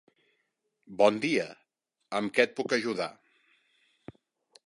Bon dia, amb què et puc ajudar.